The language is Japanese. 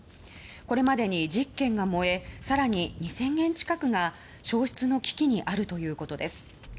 これまでに１０軒が燃えさらに２０００軒近くが焼失の危機にあるということです